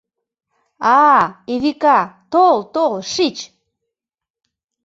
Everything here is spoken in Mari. — А, Эвика, тол, тол, шич...